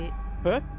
えっ？